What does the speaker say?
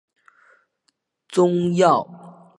宗尧也十分的尽力重整藩中财政。